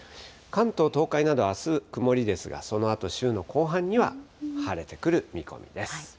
関東、東海など、あす曇りですが、そのあと、週の後半には晴れてくる見込みです。